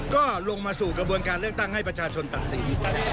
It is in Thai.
ก็ลงมาสู่กระบวนการเลือกตั้งให้ประชาชนตัดสิน